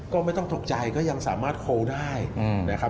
ก็ไม่ต้องตกใจก็ยังสามารถโคลได้นะครับ